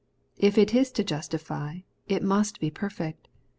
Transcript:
If it is to justify, it must be perfect.